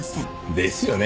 ですよね！